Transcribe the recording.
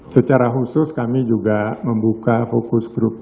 secara khusus kami juga membuka fokus group